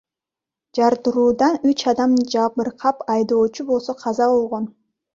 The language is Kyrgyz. Жардыруудан үч адам жабыркап, айдоочу болсо каза болгон.